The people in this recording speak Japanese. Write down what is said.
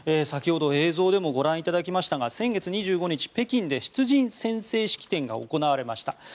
先ほど映像でもご覧いただきましたが先月２５日北京で出陣宣誓式典が行われました。